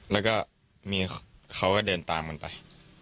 แล้วก็เขาก็เดินตามกันไป